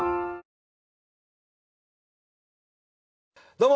どうも！